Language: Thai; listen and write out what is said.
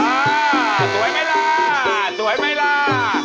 อ่าสวยไม่ลาสวยไม่ลา